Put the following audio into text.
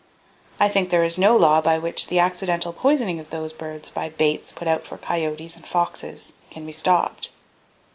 I think there is no law by which the accidental poisoning of those birds, by baits put out for coyotes and foxes, can be stopped.